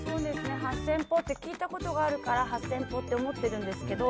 ８０００歩って聞いたことがあるから８０００歩って思っているんですけど